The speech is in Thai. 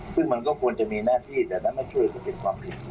ซึ่งมันก็ควรจะมีหน้าที่แต่นั้นไม่ช่วยซึ่งเป็นความผิด